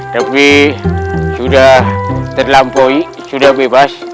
tapi sudah terlampaui sudah bebas